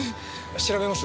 調べます。